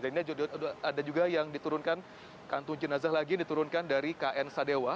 dan ini ada juga yang diturunkan kantong jenazah lagi diturunkan dari kn sadewa